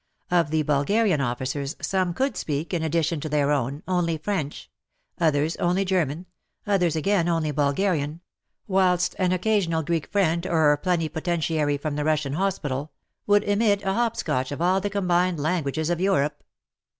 Of the Bulgarian officers, some could speak, in addition to their own, only French, others only German, others again only Bulgarian, whilst an occasional Greek friend or a plenipotentiary from the Russian Hospital, would emit a hotch potch of all the combined languages of Europe.